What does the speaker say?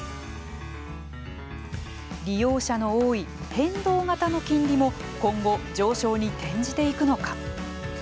利用者の多い、変動型の金利も今後、上昇に転じていくのか。